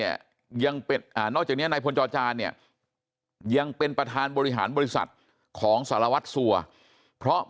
ยังเป็นยังเป็นประธานบริหารบริษัทของศาลวัฒน์สั่วเพราะ